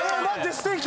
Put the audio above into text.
ステーキ。